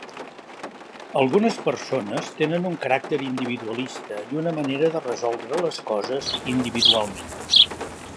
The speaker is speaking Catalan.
Algunes persones tenen un caràcter individualista i una manera de resoldre les coses individualment.